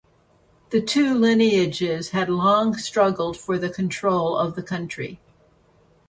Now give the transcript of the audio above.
The two lineages had long struggled for control of the country.